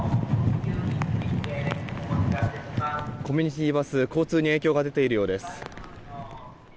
コミュニティーバス交通に影響が出ているようです。